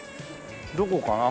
どこかな？